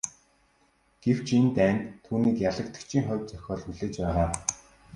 Гэвч энэ дайнд түүнийг ялагдагчийн хувь зохиол хүлээж байгаа.